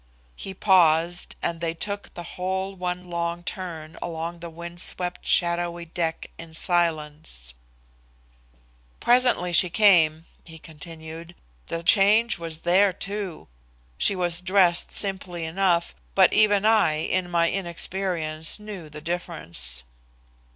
He paused, and they took the whole one long turn along the wind swept, shadowy deck in silence. "Presently she came," he continued. "The change was there, too. She was dressed simply enough, but even I, in my inexperience, knew the difference.